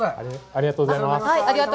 ありがとうございます。